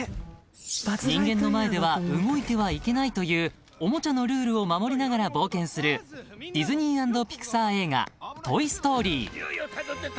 ［人間の前では動いてはいけないというおもちゃのルールを守りながら冒険するディズニー＆ピクサー映画『トイ・ストーリー』］